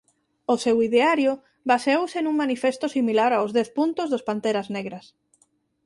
O seu ideario baseouse nun manifesto similar aos dez puntos dos Panteras Negras.